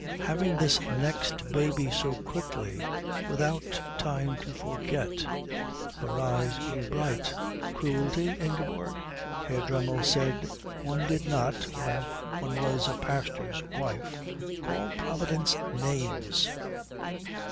"Having this next baby so quickly without time to forget." Her eyes grew bright. "Cruelty, Ingeborg?" Herr Dremmel said one did not, when one was a pastor's wife, call Providence names.